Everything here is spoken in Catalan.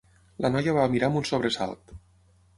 La noia va mirar amb un sobresalt.